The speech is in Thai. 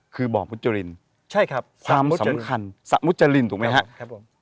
คือบ่อมุจรินใช่ครับความสำคัญสมุจรินถูกไหมครับผม